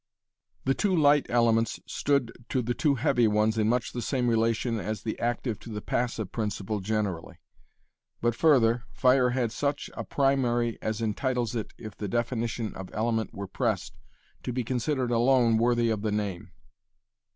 The two light elements stood to the two heavy ones in much the same relation as the active to the passive principle generally. But further, fire had such a primary as entitles it, if the definition of element were pressed, to be considered alone worthy of the name.